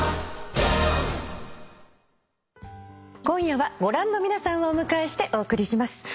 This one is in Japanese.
今夜はご覧の皆さんをお迎えしてお送りします。